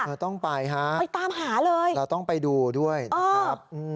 เราต้องไปค่ะเราต้องไปดูด้วยนะครับไปตามหาเลย